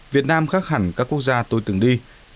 việt nam khác hẳn các quốc gia tôi từng đi